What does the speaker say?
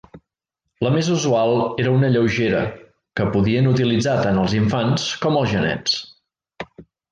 La més usual era una lleugera, que podien utilitzar tant els infants com els genets.